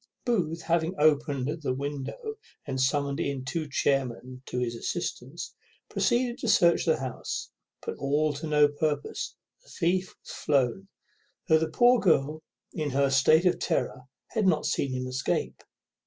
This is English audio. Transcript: Booth, having opened the window, and summoned in two chairmen to his assistance, proceeded to search the house; but all to no purpose; the thief was flown, though the poor girl, in her state of terror, had not seen him escape.